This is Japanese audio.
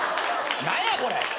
何やこれ！